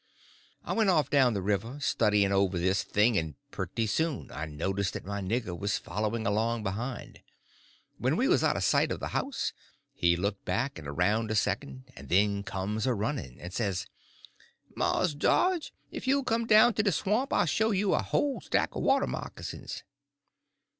I went off down to the river, studying over this thing, and pretty soon I noticed that my nigger was following along behind. When we was out of sight of the house he looked back and around a second, and then comes a running, and says: "Mars Jawge, if you'll come down into de swamp I'll show you a whole stack o' water moccasins."